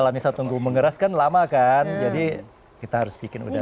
kalau misalnya nunggu mengeras kan lama kan jadi kita harus bikin udara